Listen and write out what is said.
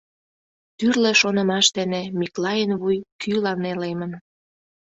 Тӱрлӧ шонымаш дене Миклайын вуй кӱла нелемын.